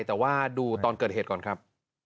แต่ว่าดูตอนเกิดเหตุก่อนครับ